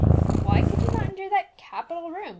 "Why could you not endure that capital room?"